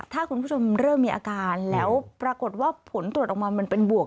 ถ้าคุณผู้ชมเริ่มมีอาการแล้วปรากฏว่าผลตรวจออกมามันเป็นบวก